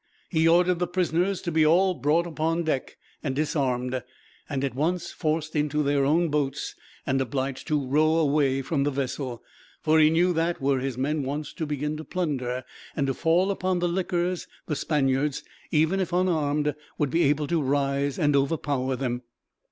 He ordered the prisoners to be all brought upon deck, and disarmed, and at once forced into their own boats, and obliged to row away from the vessel; for he knew that, were his men once to begin to plunder, and to fall upon the liquors, the Spaniards, even if unarmed, would be able to rise and overpower them.